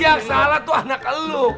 yang salah tuh anak elu